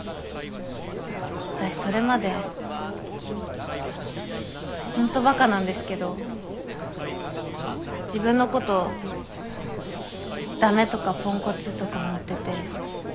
私それまで本当バカなんですけど自分のことを駄目とかポンコツとか思ってて。